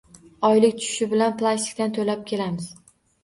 Oylik tushishi bilan plastikdan toʻlab kelamiz